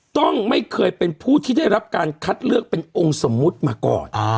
ต้องไม่เคยเป็นผู้ที่ได้รับการคัดเลือกเป็นองค์สมมุติมาก่อน